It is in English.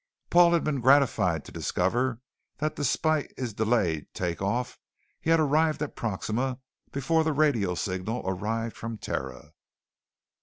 Paul had been gratified to discover that despite his delayed take off, he had arrived at Proxima before the radio signal arrived from Terra.